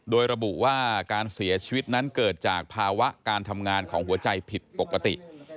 โดยระบุว่าการเสียชีวิตนั้นเกิดจากภาวะการทำงานของหัวใจผิดปกติ